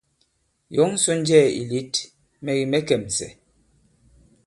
Yɔ̌ŋ sɔ nnjɛɛ̄ ì lět, mɛ̀ kì mɛ̌ kɛ̀msɛ̀.